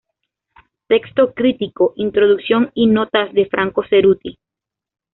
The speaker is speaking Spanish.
Texto crítico, introducción y notas de Franco Cerutti.